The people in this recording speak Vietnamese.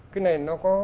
cái này nó có